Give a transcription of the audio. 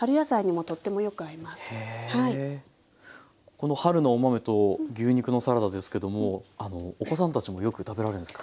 この春のお豆と牛肉のサラダですけどもお子さんたちもよく食べられるんですか？